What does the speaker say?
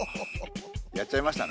やっちゃいましたね。